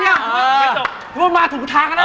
อยากตอบเชยว่ามาถุงฐานกันนะ